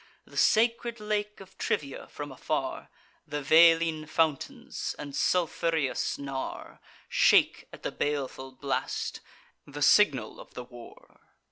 The sacred lake of Trivia from afar, The Veline fountains, and sulphureous Nar, Shake at the baleful blast, the signal of the war.